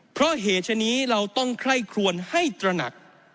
เพราะเหตุชนิดเราต้องไคร่ครวนให้ตระหนัก